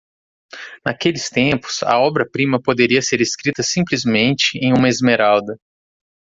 Naqueles tempos, a obra-prima poderia ser escrita simplesmente em uma esmeralda.